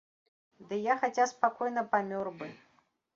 Ды я хаця спакойна памёр бы.